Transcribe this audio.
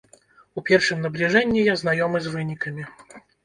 У першым набліжэнні я знаёмы з вынікамі.